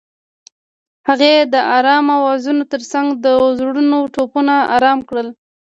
هغې د آرام اوازونو ترڅنګ د زړونو ټپونه آرام کړل.